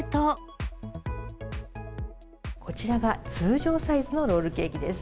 こちらが通常サイズのロールケーキです。